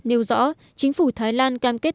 nêu rõ chính phủ thái lan cam kết